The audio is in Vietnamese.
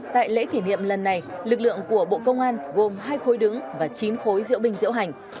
tại lễ kỷ niệm lần này lực lượng của bộ công an gồm hai khối đứng và chín khối diễu binh diễu hành